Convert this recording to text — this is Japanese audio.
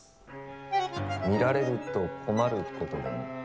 見られると困ることでも？